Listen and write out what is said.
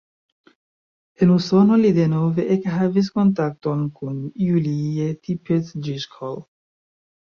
En Usono li denove ekhavis kontakton kun Julie Tippetts-Driscoll.